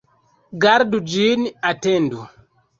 Gardu ĝin, atendu!